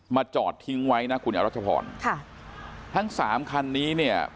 จอดทิ้งไว้นะคุณอรัชพรค่ะทั้งสามคันนี้เนี่ย